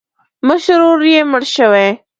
مشر ورور یې مړ شوی.